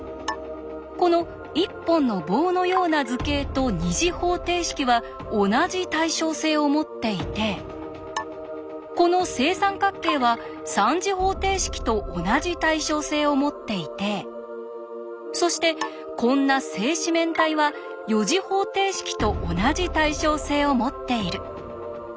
この一本の棒のような図形と２次方程式は同じ対称性を持っていてこの正三角形は３次方程式と同じ対称性を持っていてそしてこんな正四面体は４次方程式と同じ対称性を持っている。